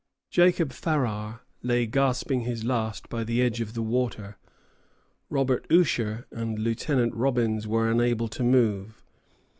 Jacob Farrar lay gasping his last by the edge of the water. Robert Usher and Lieutenant Robbins were unable to move.